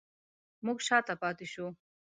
موږ شاته پاتې شوو